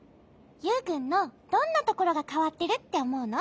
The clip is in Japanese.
ユウくんのどんなところがかわってるっておもうの？